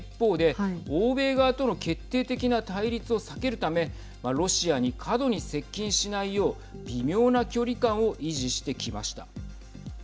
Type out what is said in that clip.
欧米側との決定的な対立を避けるためロシアに過度に接近しないよう微妙な距離感を維持してきました。